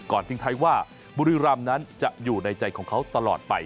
ทิ้งท้ายว่าบุรีรำนั้นจะอยู่ในใจของเขาตลอดไป